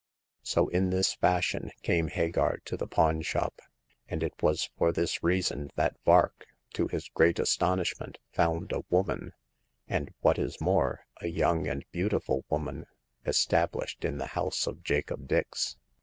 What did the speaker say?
So in this fashion came Hagar to the pawn 20 Hagar of the Pawn Shop. shop ; and it was for this reason that Vark, to his great astonishment, found a woman — and what is more, a young and beautiful woman — established in the house of Jacob Dix.